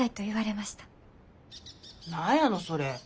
何やのそれ。